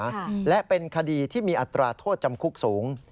ค่ะและเป็นคดีที่มีอัตราโทษจำคุกสูง